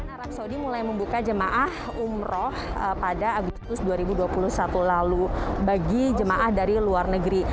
arab saudi mulai membuka jemaah umroh pada agustus dua ribu dua puluh satu lalu bagi jemaah dari luar negeri